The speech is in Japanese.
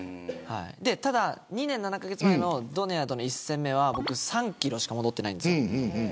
ただ、２年７カ月前のドネアとの一戦は僕３キロしか戻ってないんです。